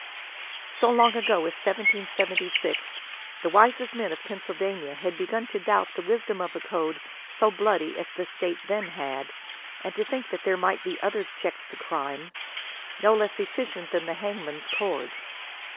So long ago as 1776, the wisest men of Pennsylvania had be gun to doubt the wisdom of a code so bloody as the State then had, and to think there might be other checks to crime, no less efficient than the hangman's cord.